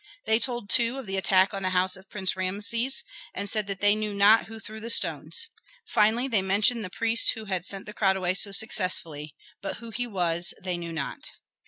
They told too of the attack on the house of Prince Rameses, and said that they knew not who threw the stones. Finally they mentioned the priest who had sent the crowd away so successfully; but who he was they knew not.